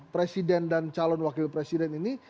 presiden dan calon wakil presiden ini